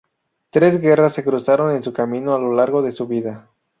Tres guerras se cruzaron en su camino a lo largo de su vida.